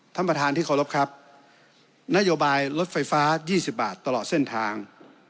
ท่านประธานที่เคารพครับนโยบายรถไฟฟ้า๒๐บาทตลอดเส้นทาง